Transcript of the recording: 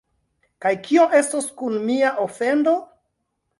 Kaj kio estos kun mia ofendo?